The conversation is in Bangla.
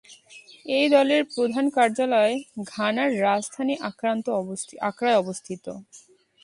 এই দলের প্রধান কার্যালয় ঘানার রাজধানী আক্রায় অবস্থিত।